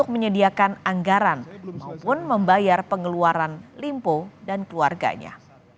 menyediakan anggaran maupun membayar pengeluaran limpo dan keluarganya